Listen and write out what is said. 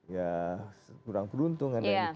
ya kurang beruntung